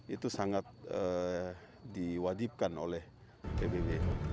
itu sangat diwajibkan oleh pbb